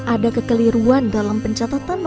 ada kekeliruan dalam pencatatan